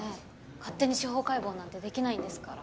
勝手に司法解剖なんてできないんですから。